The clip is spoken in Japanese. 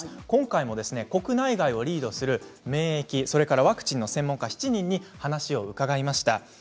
今回も国内外をリードする免疫ワクチンの専門家７人に話を伺いました。